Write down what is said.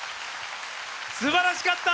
すばらしかった！